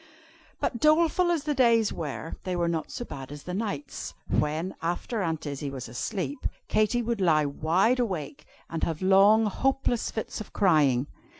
But doleful as the days were, they were not so bad as the nights, when, after Aunt Izzie was asleep, Katy would lie wide awake, and have long, hopeless fits of crying.